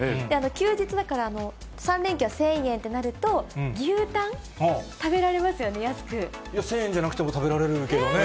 休日だから、３連休は１０００円となると、１０００円じゃなくても、食べられるけどね。